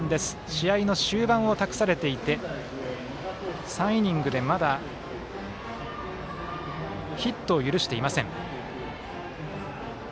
試合の終盤を託されていて３イニングでまだヒットを許していません。